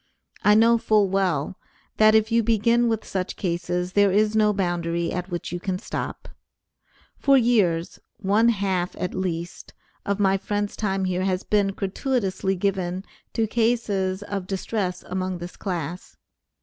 I know full well, that if you begin with such cases, there is no boundary at which you can stop. For years, one half at least, of my friend's time here has been gratuitously given to cases of distress among this class.